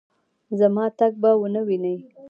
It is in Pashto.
زما تګ به ونه وینې